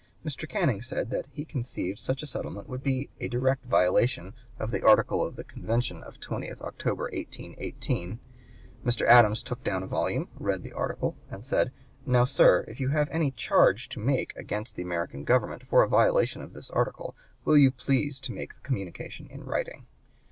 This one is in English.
Mr. Canning said that "he conceived such a settlement would be a direct violation of the article of the Convention of 20th October, 1818." Mr. Adams took down a volume, read the article, and said, "Now, sir, if you have any charge to make against the American Government for a violation of this article, you will please to make the communication in writing."